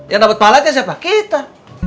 yang dapat pahalanya siapa kita